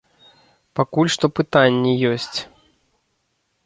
Пакуль што пытанні ёсць.